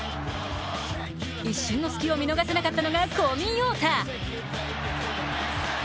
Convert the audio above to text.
一瞬の隙を見逃さなかったのが小見洋太。